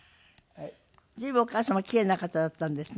随分お母様キレイな方だったんですね。